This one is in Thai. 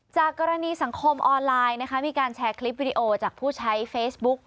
จากกรณีสังคมออนไลน์นะคะมีการแชร์คลิปวิดีโอจากผู้ใช้เฟซบุ๊ก